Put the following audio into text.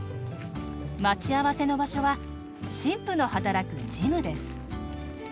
待ち合わせの場所は新婦の働くジムです。